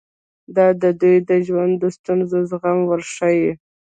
دا دوی ته د ژوند د ستونزو زغم ورښيي.